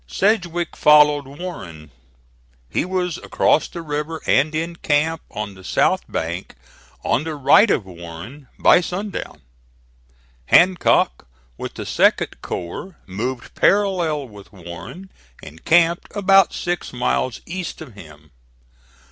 Sedgwick followed Warren. He was across the river and in camp on the south bank, on the right of Warren, by sundown. Hancock, with the 2d corps, moved parallel with Warren and camped about six miles east of him.